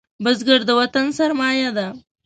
بزګر د وطن سرمايه ده